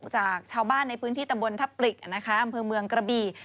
จากชาวบ้านในพื้นที่ตำบลทับปลิกนะคะอำเภอเมืองกระบี่